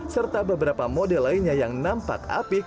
serta beberapa model lainnya yang nampak apik